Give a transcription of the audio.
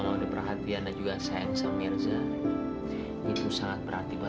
jadi setengahnya itu untuk dua